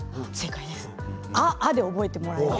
「あ」で覚えてもらえれば。